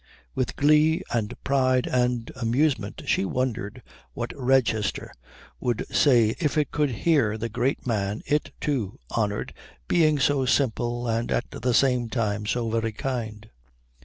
With glee and pride and amusement she wondered what Redchester would say if it could hear the great man it, too, honoured being so simple and at the same time so very kind.